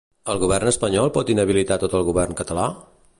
El govern espanyol pot inhabilitar tot el govern català?